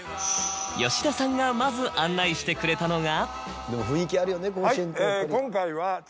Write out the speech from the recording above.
吉田さんがまず案内してくれたのが。